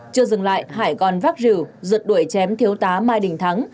chưa dừng lại hải còn vác rừu rượt đuổi chém thiếu tá mai đình thắng